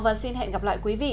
và xin hẹn gặp lại quý vị